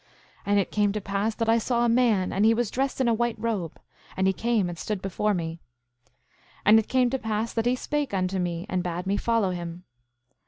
8:5 And it came to pass that I saw a man, and he was dressed in a white robe; and he came and stood before me. 8:6 And it came to pass that he spake unto me, and bade me follow him.